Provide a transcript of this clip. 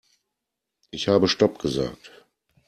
Ich habe stopp gesagt.